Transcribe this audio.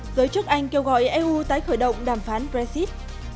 giới chức anh kêu gọi eu tái khởi động đàm phán brexit